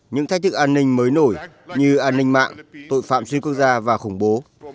những thách thức an ninh mới nổi như an ninh mạng tội phạm xuyên quốc gia và khủng bố